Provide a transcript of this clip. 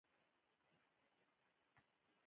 اسمان صاف دی